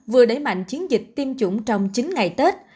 vừa đẩy mạnh chiến dịch tiêm chủng trong chín ngày tết